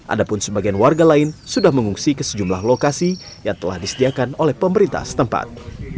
adapun sebagian warga lain sudah mengungsi ke sejumlah lokasi yang telah disediakan oleh pemerintah setempat